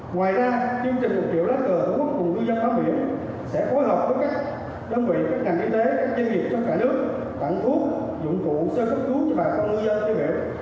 ngoài ra chương trình một triệu lá cờ tổ quốc cùng người dân bám biển sẽ phối hợp với các đơn vị các ngành y tế các doanh nghiệp trong cả nước tặng thuốc dụng cụ sơ sách thuốc cho bà con người dân